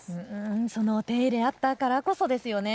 そのお手入れがあったからこそですよね。